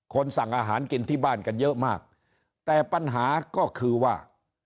สั่งอาหารกินที่บ้านกันเยอะมากแต่ปัญหาก็คือว่า